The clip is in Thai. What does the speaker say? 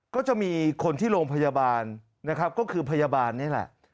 ก็จะมีคนที่โรงพยาบาลนะครับก็คือพยาบาลนี่แหละ